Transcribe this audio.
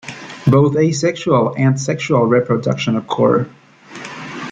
Both asexual and sexual reproduction occur.